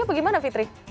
atau bagaimana fitri